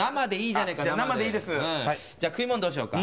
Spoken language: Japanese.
じゃあ食い物どうしようか？